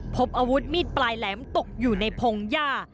พบอาวุธมีดปลายแหลมตกอยู่ในพงหญ้า